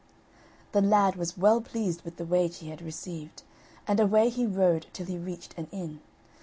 The lad was well pleased with the wage he had received, and away he rode till he reached an inn.